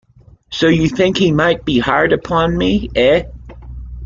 So you think he might be hard upon me, eh?